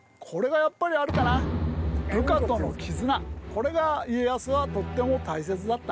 これが家康はとっても大切だった。